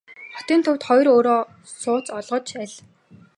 Хотын төвд хоёр өрөө сууц олгож аль.